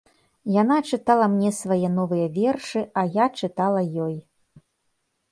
Яна чытала мне свае новыя вершы, а я чытала ёй.